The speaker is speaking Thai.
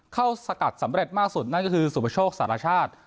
เข้าสกัดสำเร็จมากสุดนั่นก็คือสุปชกสหราชาติ